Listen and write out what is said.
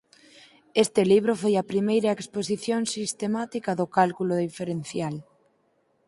Este libro foi a primeira exposición sistemática do cálculo diferencial.